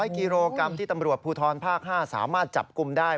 กิโลกรัมที่ตำรวจภูทรภาค๕สามารถจับกลุ่มได้